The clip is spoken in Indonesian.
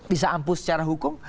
bisa ampuh secara hukum